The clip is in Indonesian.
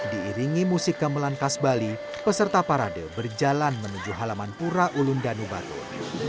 diiringi musik kemelankas bali peserta parade berjalan menuju halaman pura ulundanu batur